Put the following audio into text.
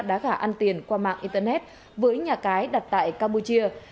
đá gà ăn tiền qua mạng internet với nhà cái đặt tại campuchia